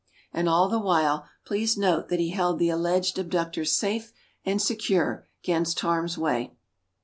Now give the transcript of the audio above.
And all the while, please note that he held the alleged abductors safe and secure 'gainst harm's way.